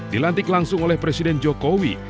dilantik langsung oleh presiden jokowi